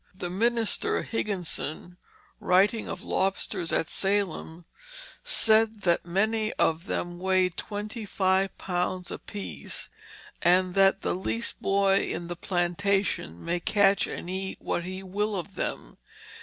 The minister Higginson, writing of lobsters at Salem, said that many of them weighed twenty five pounds apiece, and that "the least boy in the plantation may catch and eat what he will of them."